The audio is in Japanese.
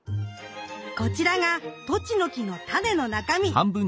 こちらがトチノキの種の中身。